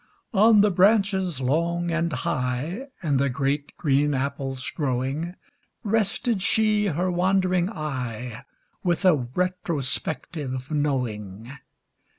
On the branches long and high, And the great green apples growing, Rested she her wandering eye, With a retrospective knowing.